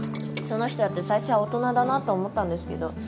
その人だって最初は大人だなと思ったんですけど。